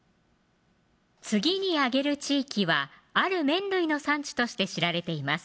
次に挙げる地域はある麺類の産地として知られています何でしょう